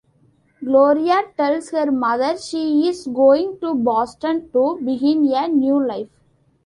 Gloria tells her mother she is going to Boston to begin a new life.